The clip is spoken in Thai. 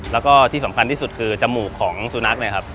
แล้วก็ที่สำคัญที่สุดคือจมูกของซูนัก